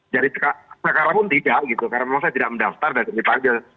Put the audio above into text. jadi sekarang pun tidak karena memang saya tidak mendaftar dan lebih panggil